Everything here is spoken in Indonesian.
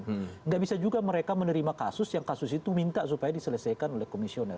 tidak bisa juga mereka menerima kasus yang kasus itu minta supaya diselesaikan oleh komisioner